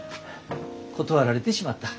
断られてしまった。